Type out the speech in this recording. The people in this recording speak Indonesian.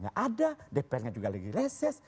nggak ada dpr nya juga lagi reses